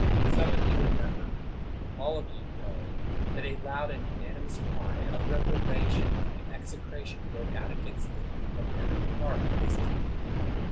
Some of you remember, all of you know, that a loud and unanimous cry of reprobation and 107 THE WORLD'S FAMOUS ORATIONS execration broke out against them from every part of this kingdom.